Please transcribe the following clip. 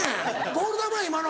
ボール球や今の。